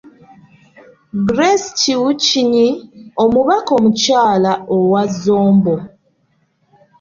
Grace Kwiyucwiny , omubaka omukyala owa Zombo.